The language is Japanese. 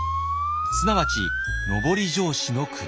すなわち上り調子の国。